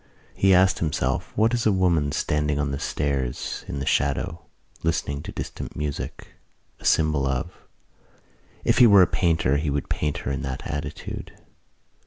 He asked himself what is a woman standing on the stairs in the shadow, listening to distant music, a symbol of. If he were a painter he would paint her in that attitude.